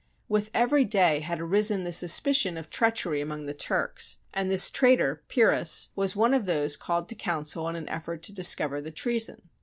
With every day had arisen suspicion of treachery among the Turks, and this traitor, Pyrrhus, was SIEGE OF ANTIOCH one of those called to council in an effort to discover the treason.